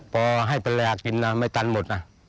พอให้ภรรยากินนะไม่ตันหมดนะ